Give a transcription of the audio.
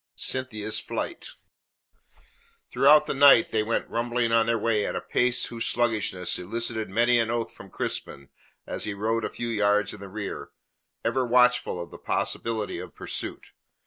CYNTHIA'S FLIGHT Throughout the night they went rumbling on their way at a pace whose sluggishness elicited many an oath from Crispin as he rode a few yards in the rear, ever watchful of the possibility of pursuit.